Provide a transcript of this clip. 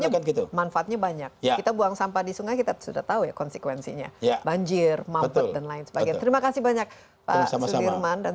dan manfaatnya banyak kita buang sampah di sungai kita sudah tahu ya konsekuensinya banjir mampet dan lain sebagainya terima kasih banyak pak sulirman